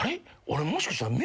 俺もしかしたら。